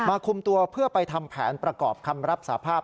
คุมตัวเพื่อไปทำแผนประกอบคำรับสาภาพ